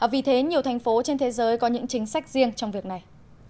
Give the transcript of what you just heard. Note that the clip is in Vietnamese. vì thế nhiều thành phố trên thế giới có những chính sách riêng trong việc này